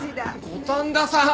五反田さん！